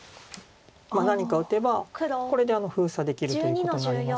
何か打てばこれで封鎖できるということになりますので。